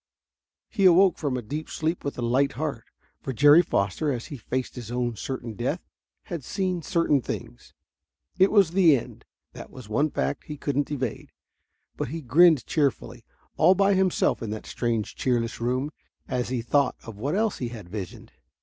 He awoke from a deep sleep with a light heart. For Jerry Foster, as he faced his own certain death, had seen certain things. It was the end that was one fact he couldn't evade. But he grinned cheerfully, all by himself in that strange cheerless room, as he thought of what else he had visioned.